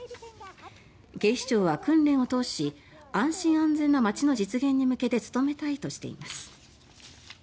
警視庁は訓練を通し安心安全な街の実現に向けて努めたいとしています。